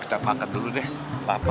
kita makan dulu deh lapar